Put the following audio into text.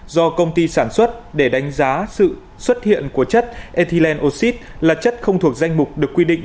do công ty sản xuất để đánh giá sự xuất hiện của chất ethylenoxid là chất không thuộc danh mục được quy định